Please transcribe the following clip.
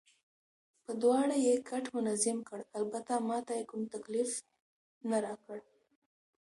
په دواړو یې کټ منظم کړ، البته ما ته یې کوم تکلیف نه راکړ.